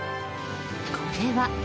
これは。